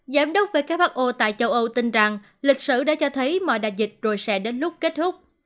giám đốc who tại châu âu tin rằng lịch sử đã cho thấy mọi đại dịch rồi sẽ đến lúc kết thúc